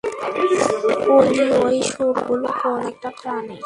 ওলি, এই শুঁড়গুলো কোন একটা প্রাণীর?